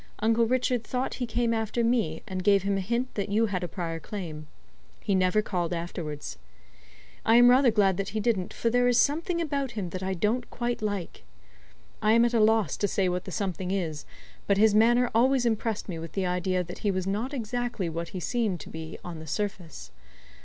Uncle Richard thought he came after me, and gave him a hint that you had a prior claim. He never called afterwards. I am rather glad that he didn't, for there is something about him that I don't quite like. I am at a loss to say what the something is; but his manner always impressed me with the idea that he was not exactly what he seemed to be on the surface.